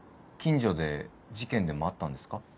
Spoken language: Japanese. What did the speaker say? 近所で事件でもあったんですか？